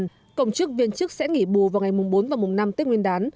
phương án hai cộng chức viên chức sẽ nghỉ bù vào ngày mùng bốn và mùng năm tết nguyên đán